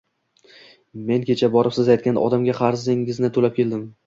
Men kecha borib, siz aytgan odamga qarzingizni toʻlab keldim